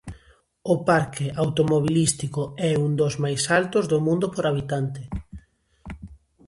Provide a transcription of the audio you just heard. O parque automobilístico é un dos máis altos do mundo por habitante.